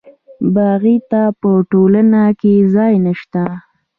باغي ته په ټولنه کې ځای نشته.